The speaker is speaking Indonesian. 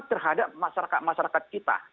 terhadap masyarakat masyarakat kita